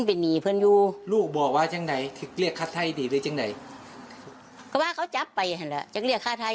ออกไปนี้แล้วใช้ให้นรูปให้แสนหญ้ายันอีกแล้ว